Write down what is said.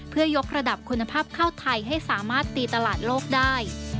เพื่อยกระดับคุณภาพข้าวไทยให้สามารถตีตลาดโลกได้